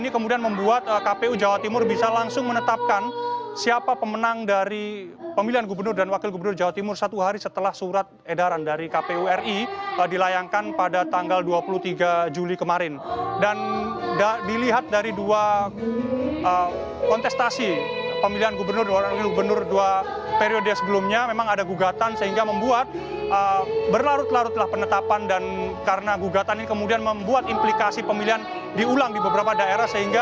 keputusan jawa barat dua ribu delapan belas menangkan pilihan gubernur dan wakil gubernur periode dua ribu delapan belas dua ribu dua puluh tiga